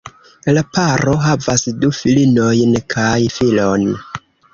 La paro havas du filinojn kaj filon.